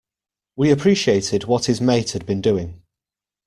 He appreciated what his mate had been doing.